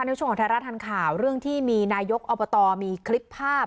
ในช่วงของไทยรัฐทันข่าวเรื่องที่มีนายกอบตมีคลิปภาพ